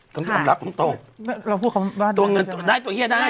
ต้องรับตรงตรงเราพูดคำตัวเงินได้ตัวเฮี้ยได้